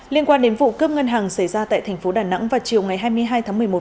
liên quan đến vụ cướp ngân hàng xảy ra tại sài gòn cô ốc